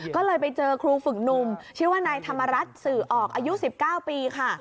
ก็เลยไปเจอครูฝึกหนุ่มชื่อว่านายธรรมรัฐสื่อออกอายุ๑๙ปีค่ะ